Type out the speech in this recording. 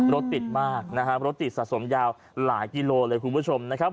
รถติดมากนะฮะรถติดสะสมยาวหลายกิโลเลยคุณผู้ชมนะครับ